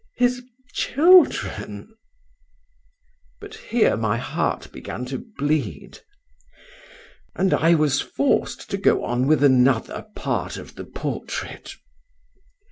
—His children— But here my heart began to bleed—and I was forced to go on with another part of the portrait.